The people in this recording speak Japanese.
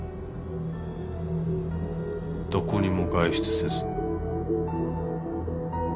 どこにも外出せず。